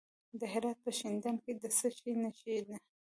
د هرات په شینډنډ کې د څه شي نښې دي؟